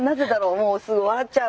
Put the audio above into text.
もうすごい笑っちゃう。